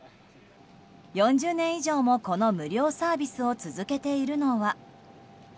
４０年以上もこの無料サービスを続けているのは。